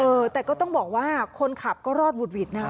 เออแต่ก็ต้องบอกว่าคนขับก็รอดหวุดหวิดนะคะ